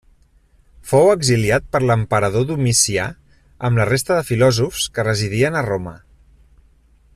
Fou exiliat per l'emperador Domicià amb la resta de filòsofs que residien a Roma.